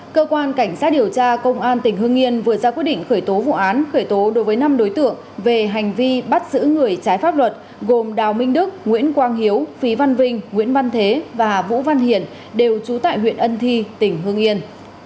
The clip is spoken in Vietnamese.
cơ quan cảnh sát điều tra công an tỉnh hương yên vừa ra quyết định khởi tố vụ án khởi tố đối với năm đối tượng về hành vi bắt giữ người trái pháp luật gồm đào minh đức nguyễn quang hiếu phí văn vinh nguyễn văn thế và vũ văn hiển đều trú tại huyện ân thi tỉnh hương yên